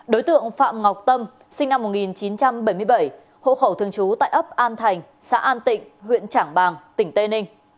đối tượng phạm ngọc tâm sinh năm một nghìn chín trăm bảy mươi bảy hộ khẩu thường trú tại ấp an thành xã an tịnh huyện trảng bàng tỉnh tây ninh